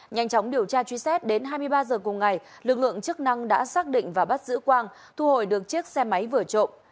nhanh chóng điều tra truy xét đến hai mươi ba h cùng ngày lực lượng chức năng đã xác định và bắt giữ quang thu hồi được chiếc xe máy vừa trộm